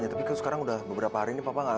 ya allah berikanlah kesembuhan untuk papa ya allah